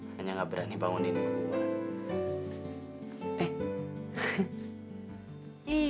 hanya gak berani bangunin rumah